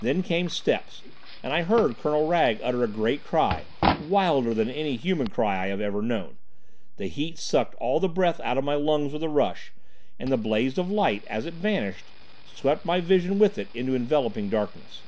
Then came steps, and I heard Colonel Wragge utter a great cry, wilder than any human cry I have ever known. The heat sucked all the breath out of my lungs with a rush, and the blaze of light, as it vanished, swept my vision with it into enveloping darkness.